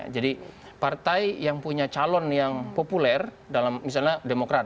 jadi partai yang punya calon yang populer misalnya demokrat